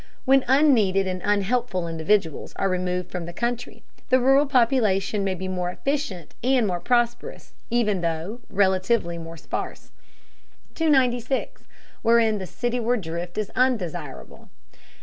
When unneeded and unhelpful individuals are removed from the country, the rural population may be more efficient and more prosperous, even though relatively more sparse. 296. WHEREIN THE CITYWARD DRIFT IS UNDESIRABLE.